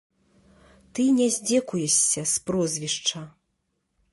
Ты не здзекуешся з прозвішча.